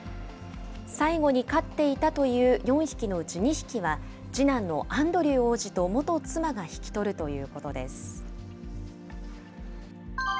最後に飼っていたという４匹のうち２匹は、次男のアンドリュー王子と元妻が引き取るということです。